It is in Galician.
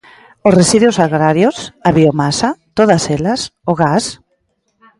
¿Os residuos agrarios?, ¿a biomasa?, ¿todas elas?, ¿o gas?